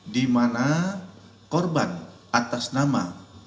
di mana korban atas nama